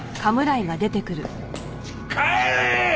帰れ！